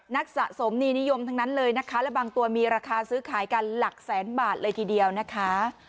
สะสมนีนิยมทั้งนั้นเลยนะคะและบางตัวมีราคาซื้อขายกันหลักแสนบาทเลยทีเดียวนะคะ